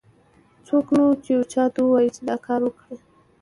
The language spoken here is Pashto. څوک نه و، چې یو چا ته ووایي دا کار وکړه.